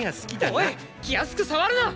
おい気やすく触るな！